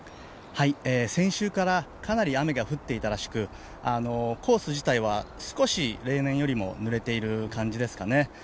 先週からかなり雨が降っていたらしくコース自体は少し例年よりもぬれている感じですかね。